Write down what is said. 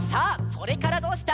「それからどうした」